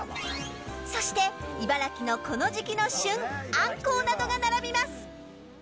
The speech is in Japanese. そして茨城のこの時期の旬アンコウなどが並びます。